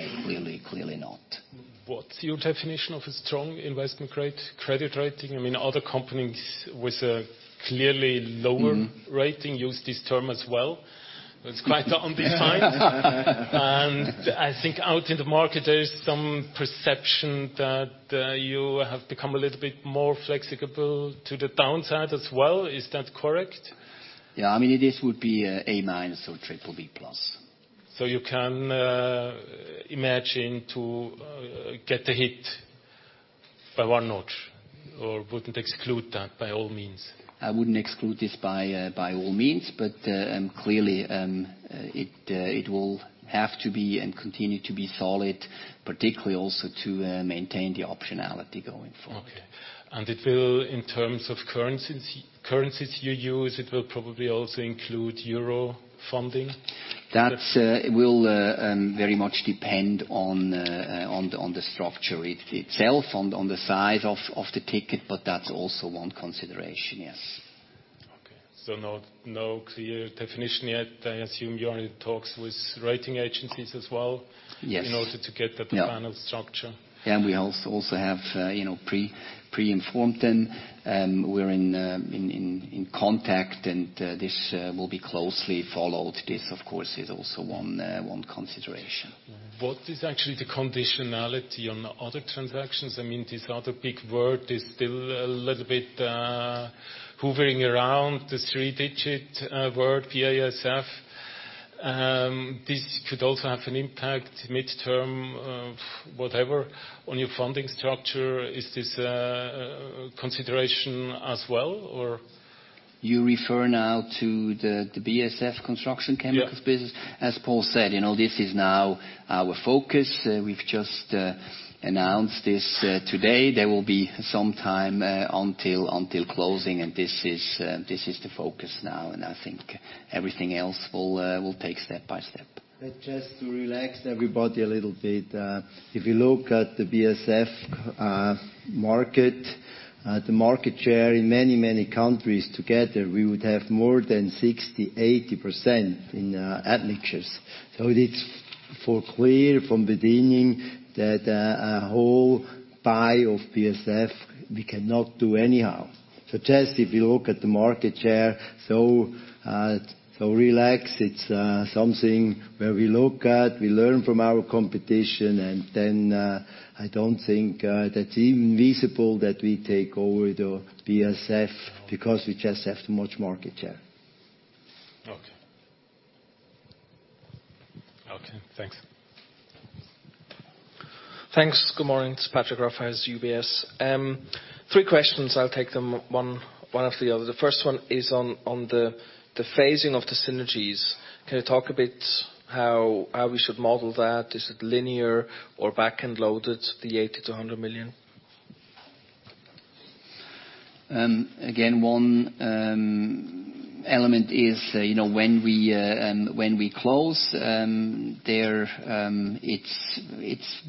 Clearly not. What's your definition of a strong investment grade rating? Other companies with a clearly lower rating use this term as well. It's quite undefined. I think out in the market, there is some perception that you have become a little bit more flexible to the downside as well. Is that correct? Yeah. This would be a A- or BBB+. You can imagine to get a hit by one notch or wouldn't exclude that by all means? I wouldn't exclude this by all means, but clearly, it will have to be and continue to be solid, particularly also to maintain the optionality going forward. In terms of currencies you use, it will probably also include euro funding? That will very much depend on the structure itself, on the size of the ticket, but that's also one consideration, yes. Okay. No clear definition yet. I assume you are in talks with rating agencies as well- Yes in order to get the final structure? Yeah Yeah. We also have pre-informed them. We're in contact, and this will be closely followed. This, of course, is also one consideration. What is actually the conditionality on the other transactions? This other big word is still a little bit hovering around the three-digit word, BASF. This could also have an impact midterm, whatever, on your funding structure. Is this a consideration as well? You refer now to the BASF Construction Chemicals business? Yeah. As Paul said, this is now our focus. We've just announced this today. There will be some time until closing, and this is the focus now, and I think everything else we'll take step by step. Just to relax everybody a little bit. If you look at the BASF market, the market share in many, many countries together, we would have more than 60%, 80% in admixtures. It's clear from the beginning that a whole buy of BASF, we cannot do anyhow. Just, if you look at the market share. Relax, it's something where we look at, we learn from our competition, and then, I don't think that's even visible that we take over the BASF, because we just have too much market share. Okay. Okay, thanks. Thanks. Good morning. It's Patrick Rafaisz with UBS. Three questions, I'll take them one after the other. The first one is on the phasing of the synergies. Can you talk a bit how we should model that? Is it linear or back-end loaded, the 80 million-100 million? One element is, when we close, it's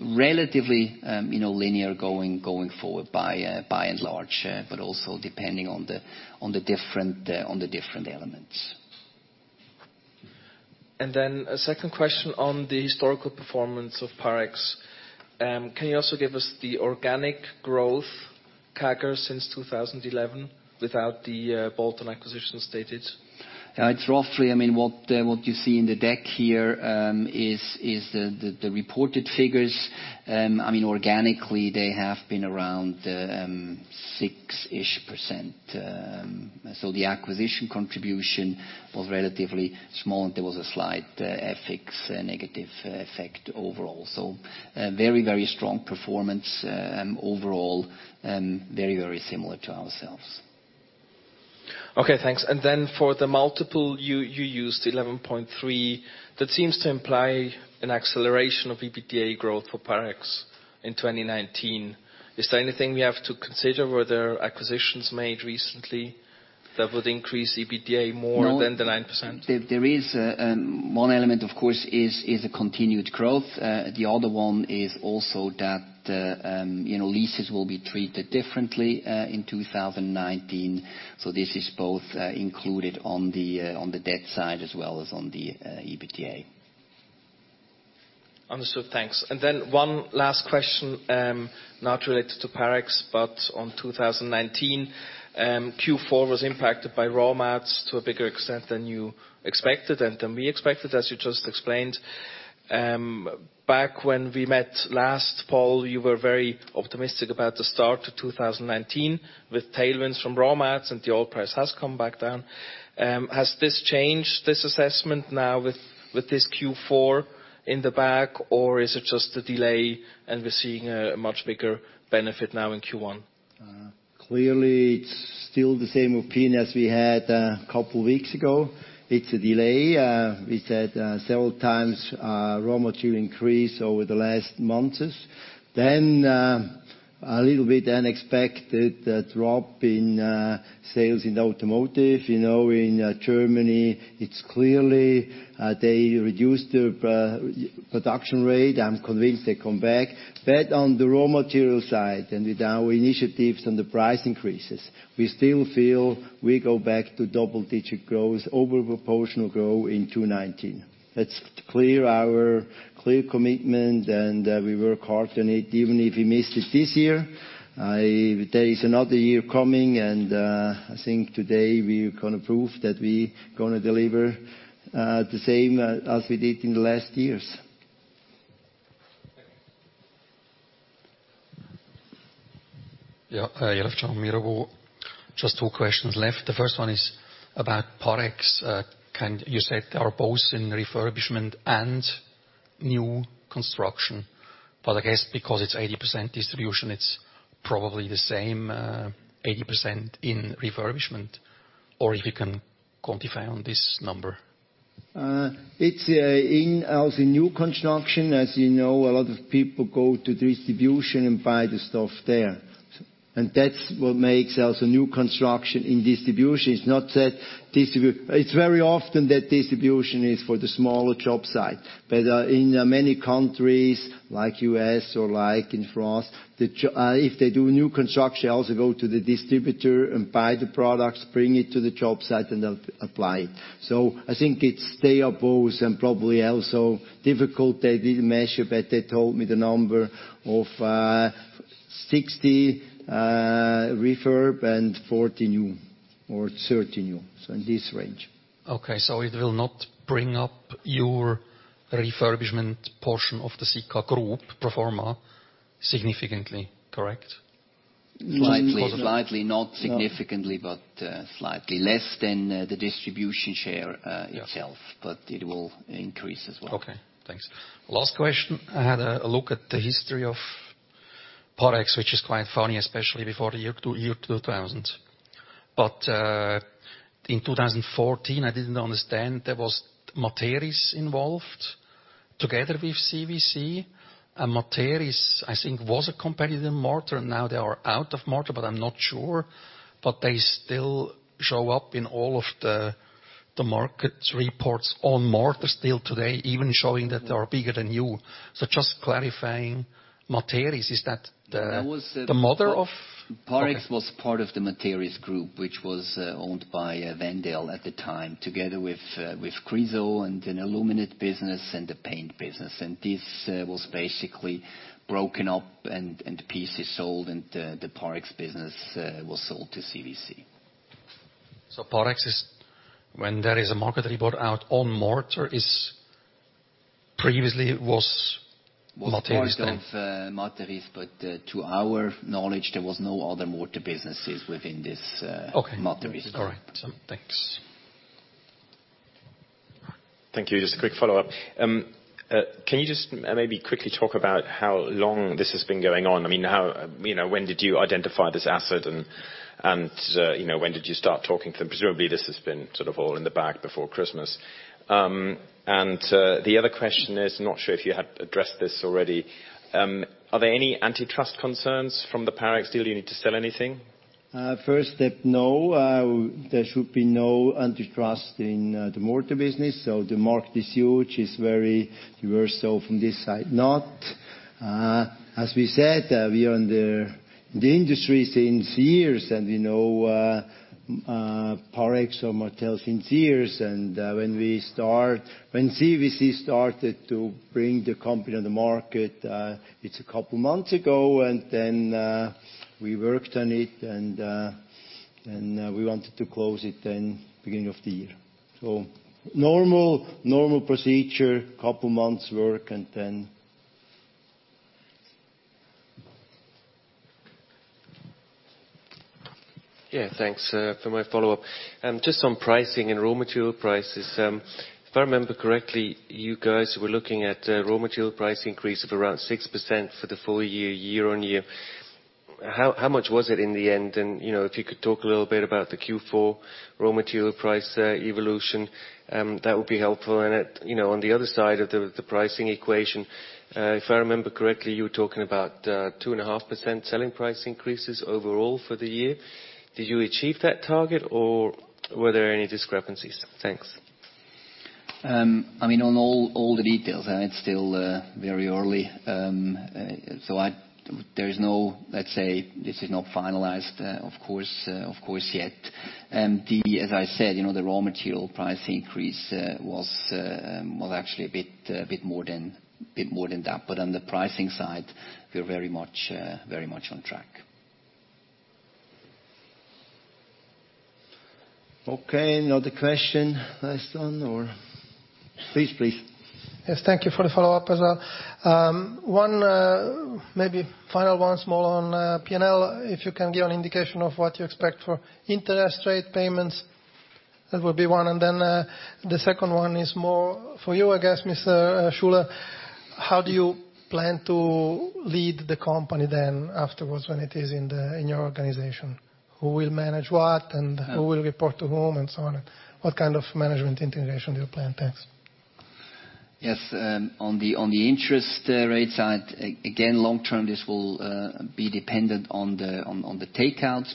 relatively linear going forward by and large, but also depending on the different elements. A second question on the historical performance of Parex. Can you also give us the organic growth CAGR since 2011 without the bolt-on acquisition stated? It's roughly, what you see in the deck here, is the reported figures. Organically, they have been around 6-ish%. The acquisition contribution was relatively small, and there was a slight negative effect overall. Very, very strong performance overall, and very, very similar to ourselves. Okay, thanks. For the multiple, you used 11.3x. That seems to imply an acceleration of EBITDA growth for Parex in 2019. Is there anything we have to consider? Were there acquisitions made recently that would increase EBITDA more than the 9%? There is. One element, of course, is a continued growth. The other one is also that leases will be treated differently, in 2019. This is both included on the debt side as well as on the EBITDA. Understood, thanks. One last question, not related to Parex, but on 2019. Q4 was impacted by raw mats to a bigger extent than you expected and than we expected, as you just explained. Back when we met last, Paul, you were very optimistic about the start of 2019 with tailwinds from raw mats, and the oil price has come back down. Has this changed this assessment now with this Q4 in the bag, or is it just a delay and we're seeing a much bigger benefit now in Q1? Clearly, it's still the same opinion as we had a couple weeks ago. It's a delay. We said several times raw material increase over the last months. A little bit unexpected drop in sales in the automotive. In Germany, it's clearly they reduced their production rate. I'm convinced they come back. On the raw material side and with our initiatives and the price increases, we still feel we go back to double-digit growth, over proportional growth in 2019. That's our clear commitment, and we work hard on it. Even if we missed it this year, there is another year coming, and I think today we gonna prove that we gonna deliver the same as we did in the last years. Thanks. Yeah. Just two questions left. The first one is about Parex. You said they are both in refurbishment and new construction, I guess because it's 80% distribution, it's probably the same, 80% in refurbishment. If you can quantify on this number? It's in also new construction. As you know, a lot of people go to distribution and buy the stuff there. That's what makes also new construction in distribution. It's very often that distribution is for the smaller job site. In many countries, like U.S. or like in France, if they do new construction, they also go to the distributor and buy the products, bring it to the job site and apply. I think they are both and probably also difficult. They didn't measure, they told me the number of 60 refurb and 40 new or 30 new. In this range. It will not bring up your refurbishment portion of the Sika Group pro forma significantly, correct? Slightly, not significantly, but slightly. Less than the distribution share itself, but it will increase as well. Okay, thanks. Last question. I had a look at the history of Parex, which is quite funny, especially before the year 2000. In 2014, I didn't understand there was Materis involved together with CVC. Materis, I think, was a competitor in mortar. Now they are out of mortar, but I'm not sure. They still show up in all of the markets reports on mortar still today, even showing that they are bigger than you. Just clarifying, Materis, is that the mother? Parex was part of the Materis Group, which was owned by Wendel at the time, together with Chryso and an illuminate business and the paint business. This was basically broken up and the pieces sold and the Parex business was sold to CVC. Parex is, when there is a market report out on mortar, previously it was Materis then? Was part of Materis, to our knowledge, there was no other mortar businesses within this Materis. Okay. All right. Thanks. Thank you. Just a quick follow-up. Can you just maybe quickly talk about how long this has been going on? When did you identify this asset and when did you start talking to them? Presumably this has been sort of all in the bag before Christmas. The other question is, not sure if you had addressed this already, are there any antitrust concerns from the Parex deal? You need to sell anything? First step, no. There should be no antitrust in the mortar business. The market is huge, it's very diverse. From this side, not. As we said, we are in the industry since years and we know Parex or Materis since years. When CVC started to bring the company on the market, it's a couple months ago, and then we worked on it and we wanted to close it in beginning of the year. Normal procedure, couple of months work and then. Thanks. For my follow-up, on pricing and raw material prices. If I remember correctly, you guys were looking at raw material price increase of around 6% for the full year-on-year. How much was it in the end? If you could talk a little bit about the Q4 raw material price evolution, that would be helpful. On the other side of the pricing equation, if I remember correctly, you were talking about 2.5% selling price increases overall for the year. Did you achieve that target or were there any discrepancies? Thanks. On all the details, it's still very early. Let's say this is not finalized, of course, yet. As I said, the raw material price increase was actually a bit more than that. On the pricing side, we're very much on track. Okay. Another question. Last one or Please, please. Yes, thank you for the follow-up as well. One, maybe final one, more on P&L, if you can give an indication of what you expect for interest rate payments, that would be one. The second one is more for you, I guess, Mr. Schuler. How do you plan to lead the company then afterwards when it is in your organization? Who will manage what and who will report to whom and so on? What kind of management integration do you plan? Thanks. Yes. On the interest rate side, again, long term, this will be dependent on the takeouts.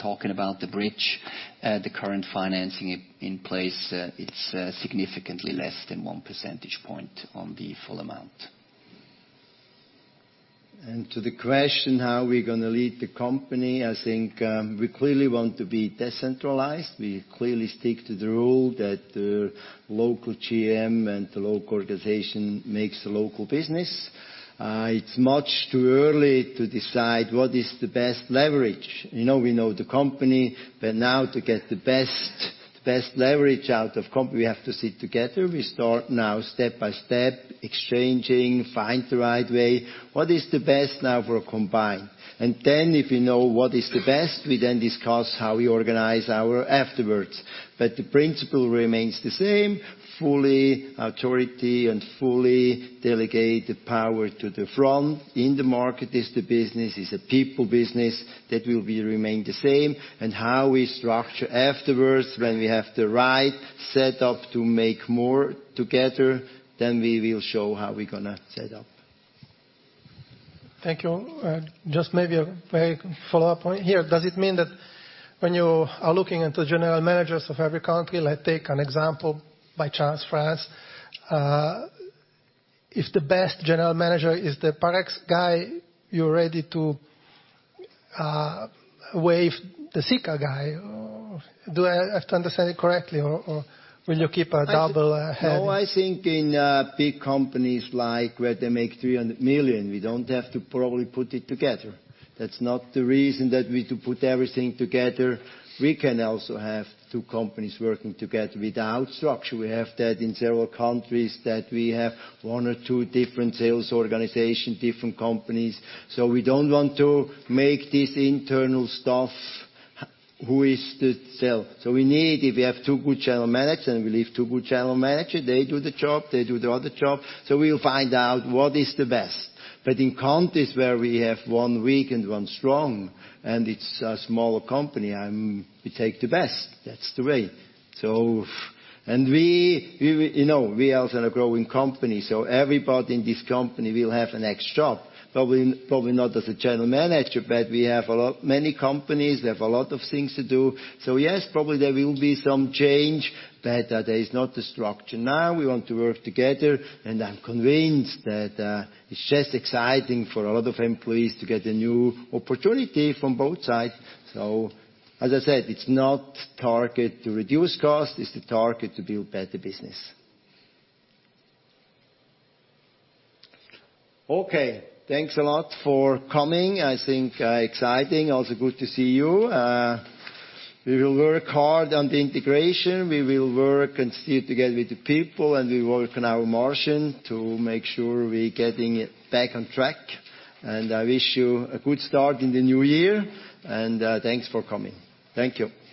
Talking about the bridge, the current financing in place, it's significantly less than 1 percentage point on the full amount. To the question, how we're going to lead the company, I think we clearly want to be decentralized. We clearly stick to the rule that the local GM and the local organization makes the local business. It's much too early to decide what is the best leverage. We know the company, but now to get the best leverage out of company, we have to sit together. We start now step by step, exchanging, find the right way. What is the best now for a combine? Then if you know what is the best, we then discuss how we organize our afterwards. The principle remains the same, fully authority and fully delegate the power to the front. In the market is the business, is a people business. That will remain the same. How we structure afterwards, when we have the right set up to make more together, then we will show how we're going to set up. Thank you. Just maybe a very follow-up point here. Does it mean that when you are looking into general managers of every country, let's take an example, by chance, France. If the best general manager is the Parex guy, you're ready to waive the Sika guy? Do I have to understand it correctly or will you keep a double head? I think in big companies like where they make 300 million, we don't have to probably put it together. That's not the reason that we put everything together. We can also have two companies working together without structure. We have that in several countries that we have one or two different sales organization, different companies. We don't want to make this internal stuff, who is to sell. We need, if we have two good general managers and we leave two good general managers, they do the job, they do the other job. We'll find out what is the best. In countries where we have one weak and one strong, and it's a smaller company, we take the best. That's the way. We also are a growing company, everybody in this company will have a next job. Probably not as a general manager, we have many companies, we have a lot of things to do. Yes, probably there will be some change, there is not a structure now. We want to work together, I'm convinced that it's just exciting for a lot of employees to get a new opportunity from both sides. As I said, it's not target to reduce cost, it's the target to build better business. Okay. Thanks a lot for coming. I think exciting, also good to see you. We will work hard on the integration. We will work and stay together with the people, we work on our margin to make sure we're getting it back on track. I wish you a good start in the new year, thanks for coming. Thank you